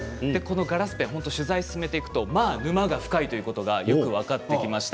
ガラスペン、取材を進めていくと沼が深いということがよく分かってきました。